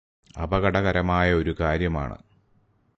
അപകടകരമായ ഒരു കാര്യമാണ്